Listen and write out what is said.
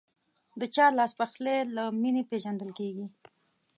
د چا لاسپخلی له مینې پیژندل کېږي.